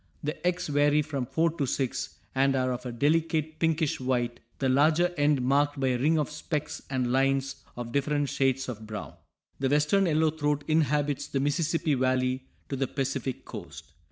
The eggs vary from four to six, and are of a delicate pinkish white, the larger end marked by a ring of specks and lines of different shades of brown. The western yellow throat inhabits the Mississippi valley to the Pacific coast.